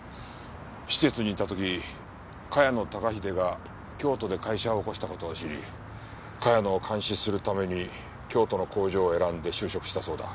施設にいた時茅野孝英が京都で会社を起こした事を知り茅野を監視するために京都の工場を選んで就職したそうだ。